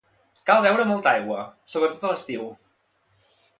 Cal beure molta aigua, sobretot a l'estiu